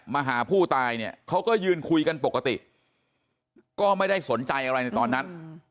มาหาผู้ตายเนี่ยเขาก็ยืนคุยกันปกติก็ไม่ได้สนใจอะไรในตอนนั้น